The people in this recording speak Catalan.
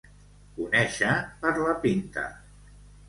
Conèixer per la pinta.